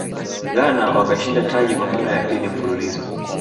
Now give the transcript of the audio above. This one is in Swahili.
ghana wakashinda taji kwa mara ya pili mfululizo